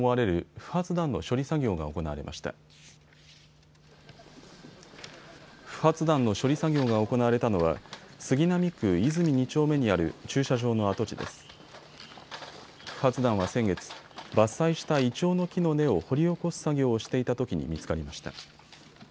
不発弾は先月、伐採したイチョウの木の根を掘り起こす作業をしていたときに見つかりました。